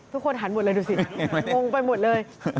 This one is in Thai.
ทุกคนหันหมดเลยดูสิงงไปหมดเลย